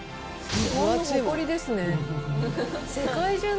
日本の誇りですね。